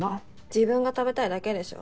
自分が食べたいだけでしょ。